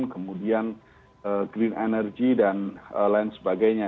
kemudian green energy dan lain sebagainya